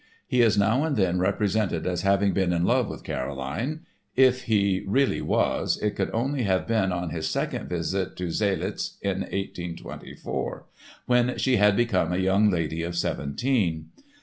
He is now and then represented as having been in love with Caroline. If he really was it could only have been on his second visit to Zseliz, in 1824, when she had become a young lady of seventeen.